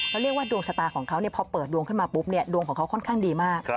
เขาเรียกว่าดวงชะตาของเขาพอเปิดดวงขึ้นมาปุ๊บเนี่ยดวงของเขาค่อนข้างดีมาก